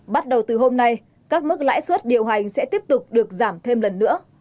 bắt đầu từ hôm nay các mức lãi suất điều hành sẽ tiếp tục được giảm thêm lần nữa